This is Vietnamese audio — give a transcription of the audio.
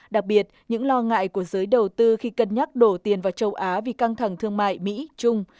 đặc biệt những lo ngại của giới đầu tư khi cân nhắc đổ tiền vào châu á vì căng thẳng thương mại mỹ trung